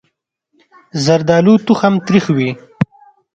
زردالو تخم تریخ وي.